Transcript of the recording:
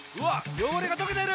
汚れが溶けてる！